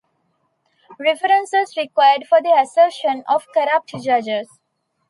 References required for the assertion of corrupt judges.